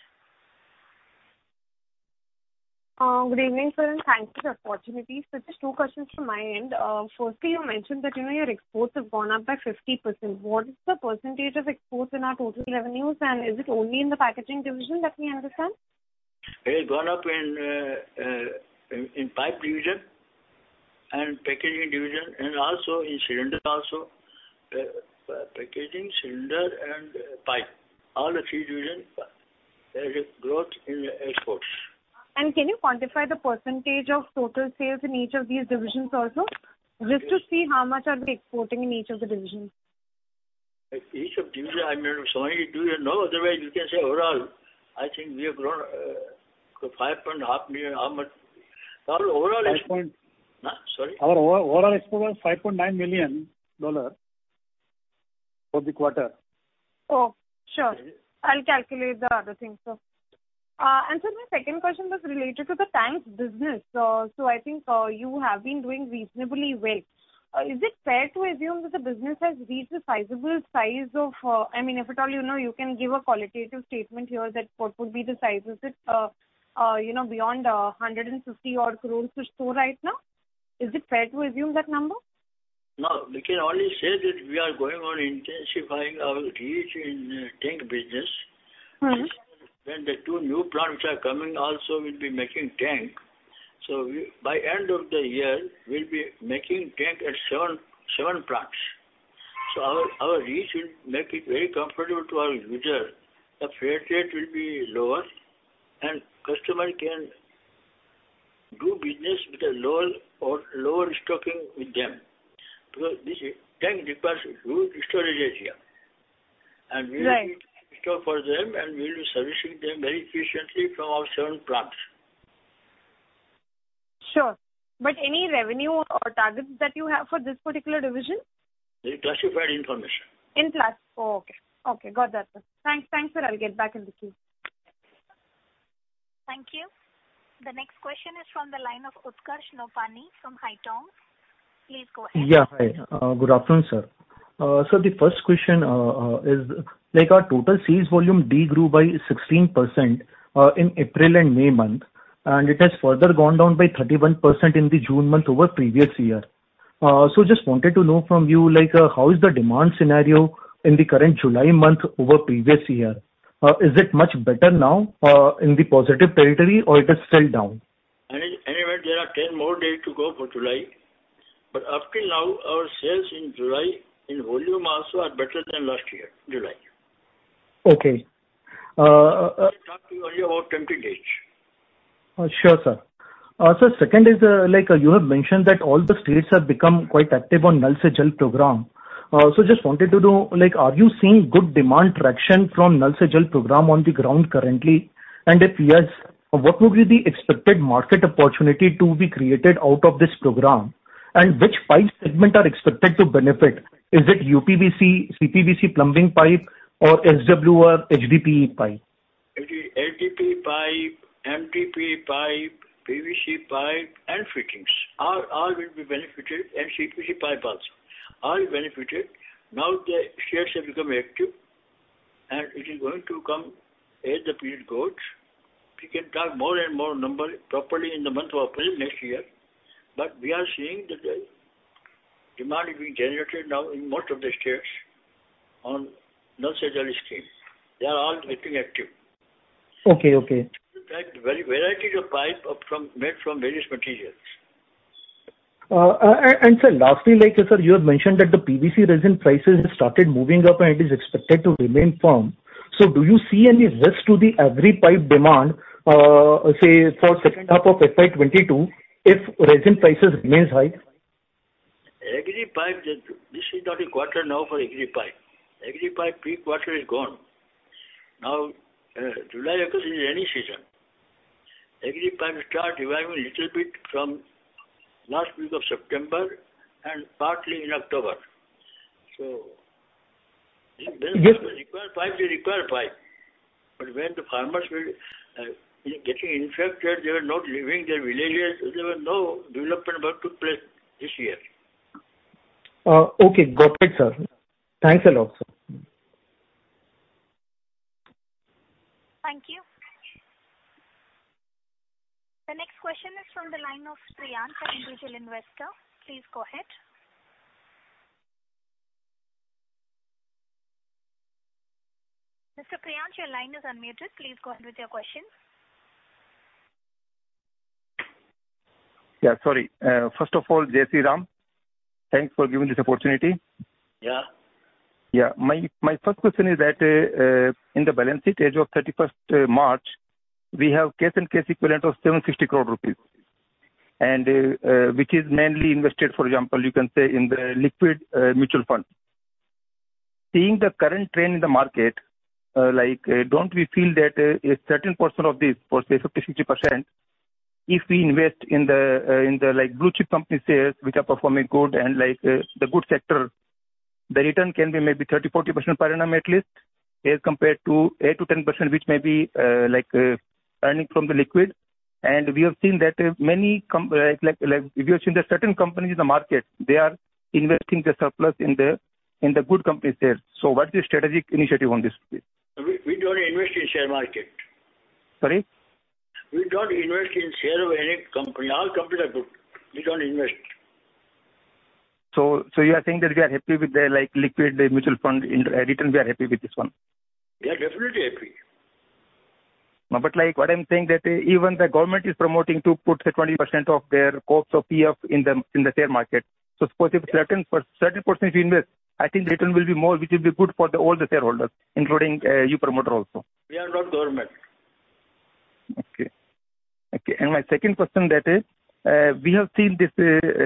Good evening, sir, and thanks for the opportunity. Sir, just 2 questions from my end. Firstly, you mentioned that your exports have gone up by 50%. What is the percentage of exports in our total revenues, and is it only in the Packaging Division that we understand? It has gone up in pipe division and packaging division and also in cylinder also. Packaging, cylinder and pipe. All the three divisions there is growth in exports. Can you quantify the % of total sales in each of these divisions also? Just to see how much are we exporting in each of the divisions. Each of division, sorry, we do not know. You can say overall, I think we have grown $5.9 million. How much? Five point- Sorry? Our overall export was $5.9 million for the quarter. Oh, sure. I'll calculate the other thing, sir. Sir, my second question was related to the tanks business. I think you have been doing reasonably well. Is it fair to assume that the business has reached a sizable size of If at all, you can give a qualitative statement here that what would be the size? Is it beyond 150 odd crores or so right now? Is it fair to assume that number? No, we can only say that we are going on intensifying our reach in tank business. When the 2 new plants are coming also, we'll be making tank. By end of the year, we'll be making tank at seven plants. Our reach will make it very comfortable to our user. The freight rate will be lower, and customer can do business with a lower stocking with them. This tank requires huge storage area. Right. We will store for them, and we will be servicing them very efficiently from our seven plants. Sure. Any revenue or targets that you have for this particular division? It's classified information. In class. Oh, okay. Okay, got that, sir. Thanks, sir. I'll get back in the queue. Thank you. The next question is from the line of Utkarsh Nopany from Haitong. Please go ahead. Yeah, hi. Good afternoon, sir. Sir, the first question is, our total sales volume degrew by 16% in April and May month. It has further gone down by 31% in the June month over previous year. Just wanted to know from you, how is the demand scenario in the current July month over previous year? Is it much better now in the positive territory or it has fallen down? Anyway, there are 10 more days to go for July, but up till now, our sales in July in volume also are better than last year July. Okay. Talk to you only about 20 days. Sure, sir. Sir, second is, you have mentioned that all the states have become quite active on Nal Se Jal program. Just wanted to know, are you seeing good demand traction from Nal Se Jal program on the ground currently? If yes, what would be the expected market opportunity to be created out of this program? Which pipe segment are expected to benefit? Is it UPVC, CPVC plumbing pipe, or SWR, HDPE pipe? It is LDPE pipe, MDPE pipe, PVC pipe, and fittings. All will be benefited, and CPVC pipe also. All benefited. The states have become active, and it is going to come as the period goes. We can talk more and more number properly in the month of April next year. Demand is being generated now in most of the states on Nal Se Jal scheme. They are all getting active. Okay. In fact, varieties of pipe made from various materials. Sir, lastly, you have mentioned that the PVC resin prices have started moving up, and it is expected to remain firm. Do you see any risk to the Agri pipe demand, say, for second half of FY 2022 if resin prices remains high? Agri pipe, this is not a quarter now for Agri pipe. Agri pipe peak quarter is gone. Now, July, August is the rainy season. Agri pipe start reviving a little bit from last week of September and partly in October. When farmers require pipe, they require pipe. When the farmers were getting infected, they were not leaving their villages, so there was no development work took place this year. Okay. Got it, sir. Thanks a lot, sir. Thank you. The next question is from the line of Priyank for Individual Investor. Please go ahead. Mr. Priyank, your line is unmuted. Please go ahead with your question. Yeah, sorry. First of all, Taparia. Thanks for giving this opportunity. Yeah. My first question is that, in the balance sheet as of 31st March, we have cash and cash equivalent of 760 crore rupees, which is mainly invested, for example, you can say, in the liquid mutual fund. Seeing the current trend in the market, don't we feel that a certain percent of this, for say 50%-60%, if we invest in the blue chip company shares, which are performing good and the good sector, the return can be maybe 30%-40% per annum at least as compared to 8%-10%, which may be earning from the liquid. We have seen that certain companies in the market, they are investing the surplus in the good company shares. What's your strategic initiative on this front? We don't invest in share market. Sorry? We don't invest in share of any company. All companies are good. We don't invest. You are saying that we are happy with the liquid mutual fund return, we are happy with this one. Yeah, definitely happy. What I'm saying, that even the government is promoting to put 20% of their corpus of PF in the share market. Suppose if a certain person invest, I think return will be more, which will be good for all the shareholders, including you promoter also. We are not government. Okay. My second question that is, we have seen the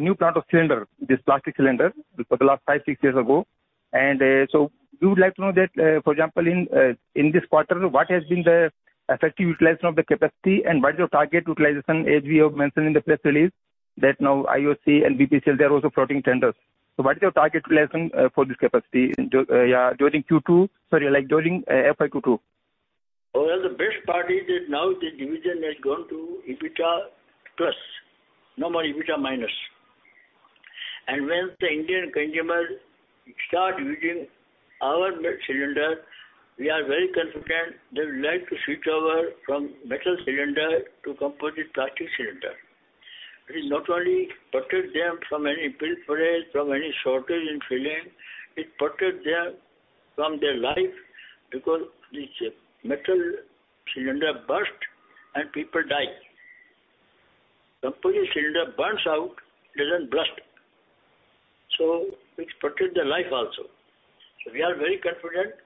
new plant of cylinder, this plastic cylinder, for the last five, six years ago. We would like to know that, for example, in this quarter, what has been the effective utilization of the capacity and what is your target utilization as we have mentioned in the press release that now IOC and BPCL, they are also floating tenders. What is your target utilization for this capacity during Q2, sorry, during FY 2022? Well, the best part is that now the division has gone to EBITDA plus, no more EBITDA minus. When the Indian consumer start using our metal cylinder, we are very confident they would like to switch over from metal cylinder to composite plastic cylinder. It not only protects them from any pilferage, from any shortage in filling, it protects them from their life because this metal cylinder burst and people die. Composite cylinder burns out, it doesn't blast. It protects the life also. We are very confident.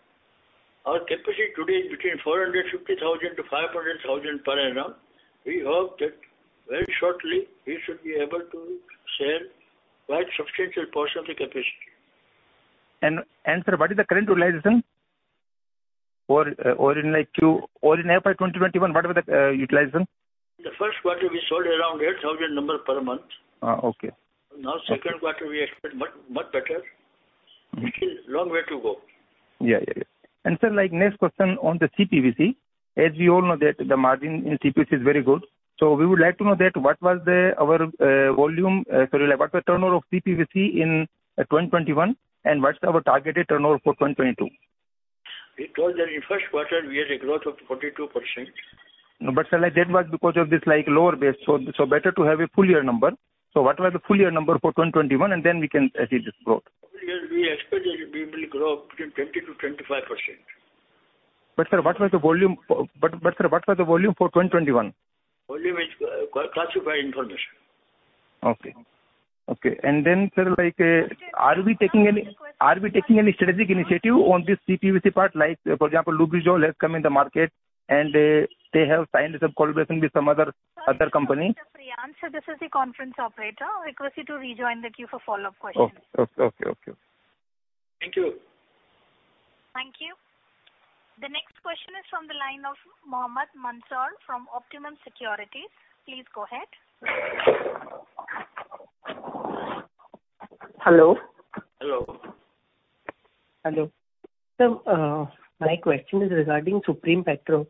Our capacity today is between 450,000 to 500,000 per annum. We hope that very shortly we should be able to sell quite substantial portion of the capacity. Sir, what is the current utilization? In FY 2021, what was the utilization? The first quarter, we sold around 8,000 number per month. Okay. Second quarter, we expect much better. It is long way to go. Yeah. Sir, next question on the CPVC. As we all know that the margin in CPVC is very good. We would like to know that what was our volume, sorry, what was turnover of CPVC in 2021 and what's our targeted turnover for 2022? We told that in first quarter, we had a growth of 42%. No, sir, that was because of this lower base, so better to have a full year number. What was the full year number for 2021, and then we can achieve this growth. We expect that we will grow between 20%-25%. Sir, what was the volume for 2021? Volume is classified information. Okay. Sir, are we taking any strategic initiative on this CPVC part? Like, for example, Lubrizol has come in the market, and they have signed some collaboration with some other company. Sorry to interrupt you, Mr. Priyank. Sir, this is the conference operator. I request you to rejoin the queue for follow-up questions. Okay. Thank you. Thank you. The next question is from the line of Mohammed Mansoor from Optimum Securities. Please go ahead. Hello. Hello. Hello. Sir, my question is regarding Supreme Petrochem.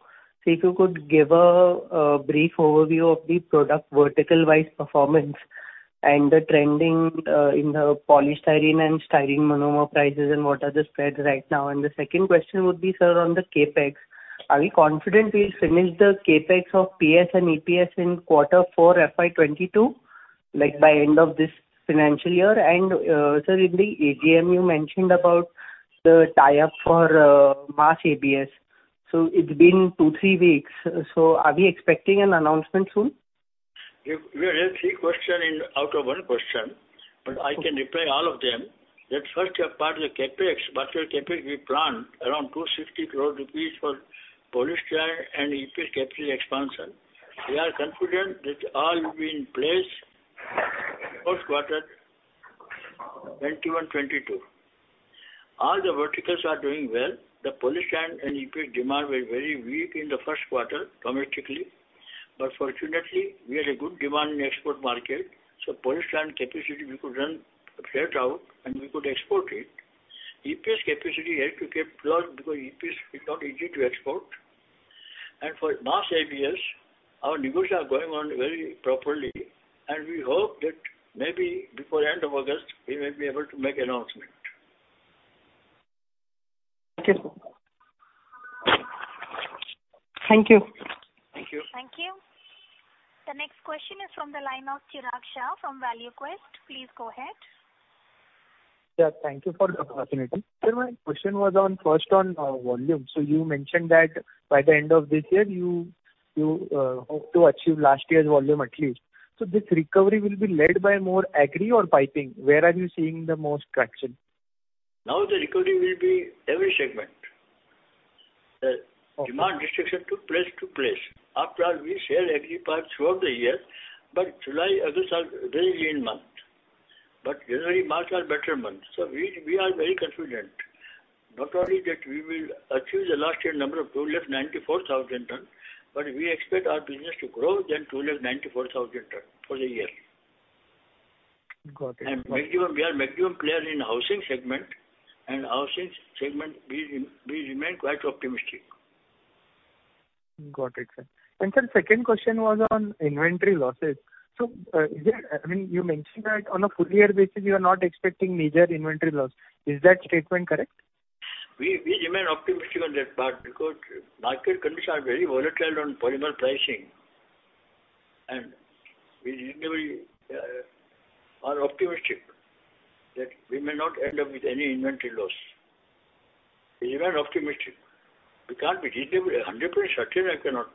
If you could give a brief overview of the product vertical-wise performance and the trending in the polystyrene and styrene monomer prices, and what are the spreads right now. The second question would be, sir, on the CapEx. Are we confident we will finish the CapEx of PS and EPS in quarter four FY 2022, by end of this financial year? Sir, in the AGM, you mentioned about the tie-up for mass ABS. It has been two, three weeks. Are we expecting an announcement soon? There are 3 questions out of 1 question, but I can reply all of them. That first part of the CapEx, material CapEx we planned around ₹260 crores for polystyrene and EPS capacity expansion. We are confident that all will be in place first quarter 21/22. All the verticals are doing well. The polystyrene and EPS demand were very weak in the first quarter domestically, but fortunately, we had a good demand in export market, so polystyrene and capacity we could run flat out and we could export it. EPS capacity had to keep closed because EPS is not easy to export. For mass ABS, our negotiations are going on very properly, and we hope that maybe before end of August, we will be able to make announcement. Thank you. Thank you. Thank you. The next question is from the line of Chirag Shah from ValueQuest. Please go ahead. Yeah. Thank you for the opportunity. Sir, my question was first on volume. You mentioned that by the end of this year, you hope to achieve last year's volume, at least. This recovery will be led by more agri or piping? Where are you seeing the most traction? The recovery will be every segment. Okay. Demand restriction took place to place. After all, we sell agri parts throughout the year, but July, August are very lean month. January, March are better months. We are very confident, not only that we will achieve the last year number of 294,000 ton, but we expect our business to grow than 294,000 ton for the year. Got it. We are maximum players in housing segment, and housing segment, we remain quite optimistic. Got it, sir. Sir, second question was on inventory losses. You mentioned that on a full year basis, you are not expecting major inventory loss. Is that statement correct? We remain optimistic on that part because market conditions are very volatile on polymer pricing, and we really are optimistic that we may not end up with any inventory loss. We remain optimistic. We can't be reasonable. 100% certain, I cannot be.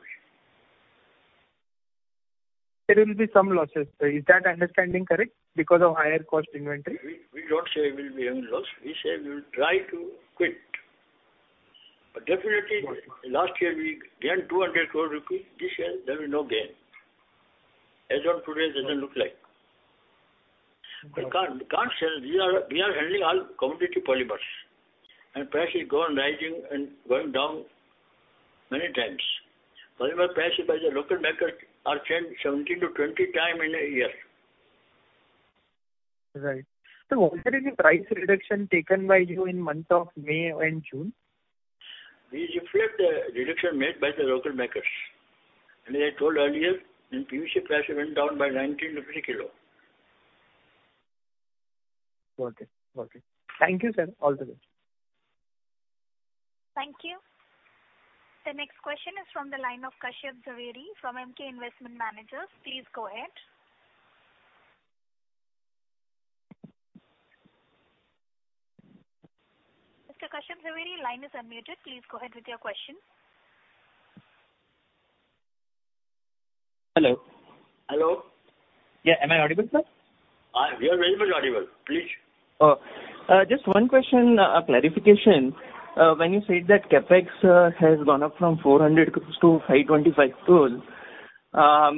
There will be some losses. Is that understanding correct? Because of higher cost inventory. We don't say we'll be having loss. We say we will try to quit. Definitely, last year we gained 200 crore rupees. This year, there will be no gain. As on today, doesn't look like. We can't say. We are handling all commodity polymers, price is going rising and going down many times. Polymer price by the local makers are changed 17 to 20 times in a year. Right. Sir, what were the price reduction taken by you in month of May and June? We reflect the reduction made by the local makers. As I told earlier, in PVC, price went down by ₹19 a kilo. Got it. Thank you, sir. All the best. Thank you. The next question is from the line of Kashyap Javeri from Emkay Investment Managers. Please go ahead. Mr. Kashyap Javeri, line is unmuted. Please go ahead with your question. Hello. Hello. Yeah. Am I audible, sir? You're very much audible. Please. Oh. Just one question, a clarification. When you said that CapEx has gone up from 400 crore to 525 crore. Our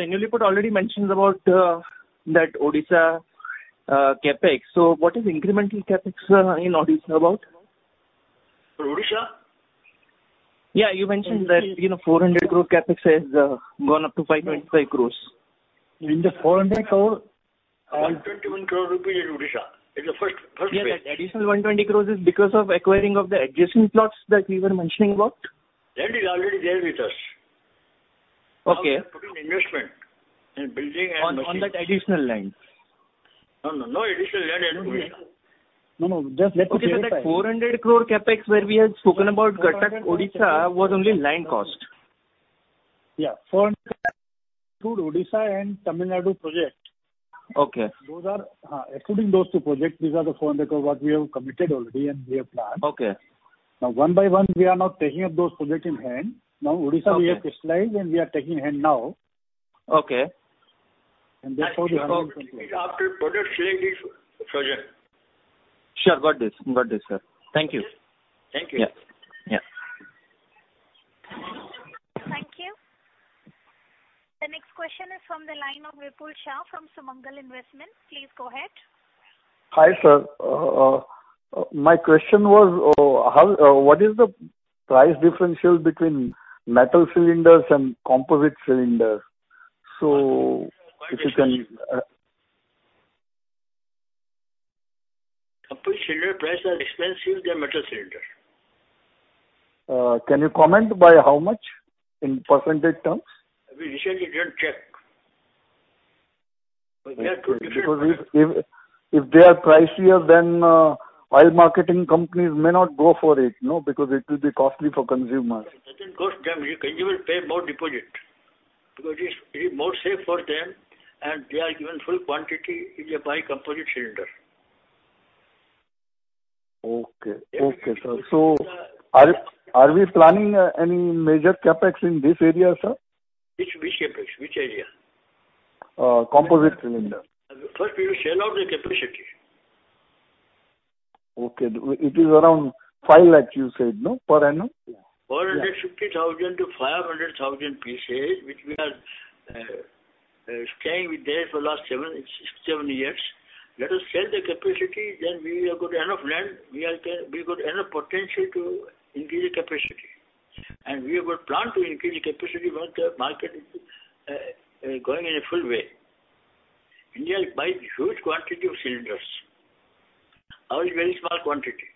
annual report already mentions about that Odisha CapEx. What is incremental CapEx in Odisha about? Odisha? Yeah. You mentioned that 400 crore CapEx has gone up to 525 crores. In the ₹ 400 crore- 121 crore rupee in Odisha. In the first phase. Yeah. That additional 120 crores is because of acquiring of the adjacent plots that we were mentioning about? That is already there with us. Okay. Now we are putting investment in building and machinery. On that additional land. No, no additional land in Odisha. No, no. Okay. That ₹400 crore CapEx where we had spoken about Cuttack, Odisha, was only land cost. Yeah, 400 to Odisha and Tamil Nadu project. Okay. Including those two projects, these are the 400 crore what we have committed already and we have planned. Okay. Now, one by one, we are now taking up those project in hand. Now Odisha. Okay We have crystallized, and we are taking hand now. Okay. That's all the After product selling is project. Sure. Got this, sir. Thank you. Thank you. Yeah. Thank you. The next question is from the line of Vipul Shah from Sumangal Investments. Please go ahead. Hi, sir. My question was, what is the price differential between metal cylinders and composite cylinders? Composite cylinder price are expensive than metal cylinder. Can you comment by how much in percentage terms? We recently didn't check. If they are pricier, then oil marketing companies may not go for it, because it will be costly for consumers. It doesn't cost them. The consumer pay more deposit, because it's more safe for them, and they are given full quantity in a bi-composite cylinder. Okay, sir. Are we planning any major CapEx in this area, sir? Which CapEx? Which area? composite cylinder. First we will sell out the capacity. Okay. It is around 5 lakh you said, no? Per annum. 450,000 to 500,000 pieces, which we are staying with there for last six, seven years. Let us sell the capacity, then we have got enough land. We got enough potential to increase the capacity, and we have got plan to increase the capacity once the market is going in a full way. India is buying huge quantity of cylinders. Our is very small quantity.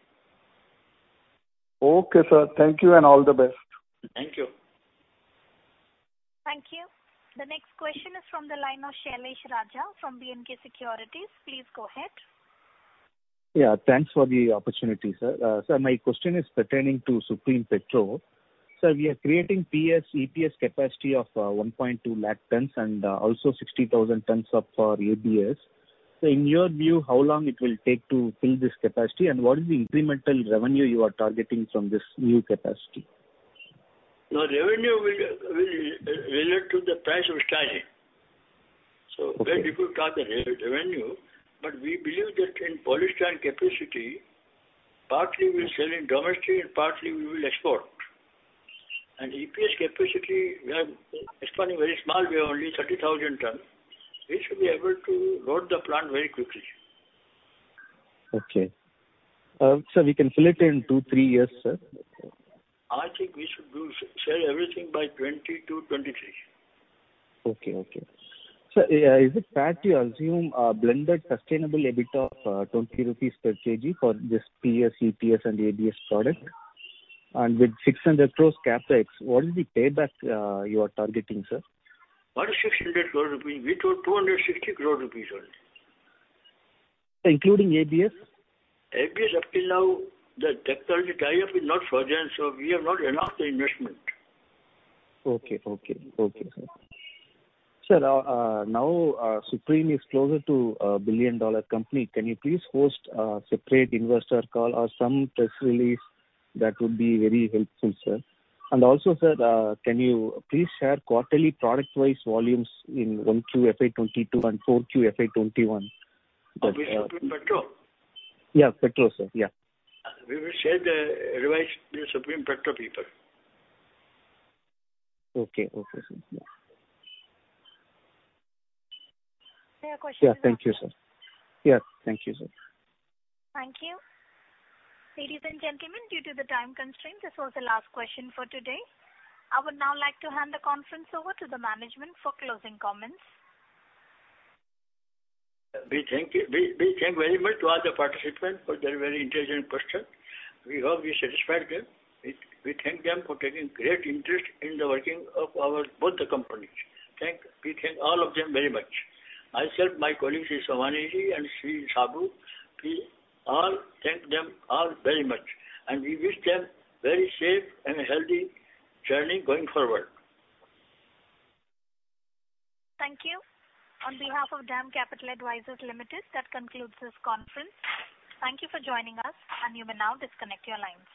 Okay, sir. Thank you, and all the best. Thank you. Thank you. The next question is from the line of Sailesh Raja from BNK Securities. Please go ahead. Thanks for the opportunity, sir. Sir, my question is pertaining to Supreme Petrochem. Sir, we are creating PS EPS capacity of 1.2 lakh tons, and also 60,000 tons of our ABS. In your view, how long it will take to fill this capacity, and what is the incremental revenue you are targeting from this new capacity? Now revenue will relate to the price of styrene. Okay. Very difficult to talk the revenue. We believe that in polystyrene capacity, partly we're selling domestically and partly we will export. EPS capacity, we are expanding very small. We have only 30,000 ton. We should be able to load the plant very quickly. Okay. Sir, we can fill it in 2, 3 years, sir? I think we should sell everything by 2022, 2023. Okay. Sir, is it fair to assume a blended sustainable EBIT of 20 rupees per kg for this PS, EPS, and ABS product? With 600 crores CapEx, what is the payback you are targeting, sir? What 600 crore rupees? We took 260 crore rupees only. Including ABS? ABS up till now, the technology tie-up is not further. We have not announced the investment. Okay, sir. Sir, now Supreme is closer to a billion-dollar company. Can you please host a separate investor call or some press release? That would be very helpful, sir. Also, sir, can you please share quarterly product-wise volumes in 1Q FY 2022 and 4Q FY 2021? Of Supreme Petrochem? Yeah, Petro, sir. Yeah. We will share the revised Supreme Petrochem paper. Okay, sir. Yeah. There are questions. Yeah. Thank you, sir. Thank you. Ladies and gentlemen, due to the time constraint, this was the last question for today. I would now like to hand the conference over to the management for closing comments. We thank very much to all the participants for their very intelligent question. We hope we satisfied them. We thank them for taking great interest in the working of our both the companies. We thank all of them very much. Myself, my colleague, Shri Somani Ji, and Shri Saboo, we all thank them all very much, and we wish them very safe and healthy journey going forward. Thank you. On behalf of DAM Capital Advisors Limited, that concludes this conference. Thank you for joining us, and you may now disconnect your lines.